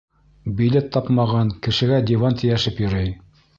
Билет тапмаған, кешегә диван тейәшеп йөрөй!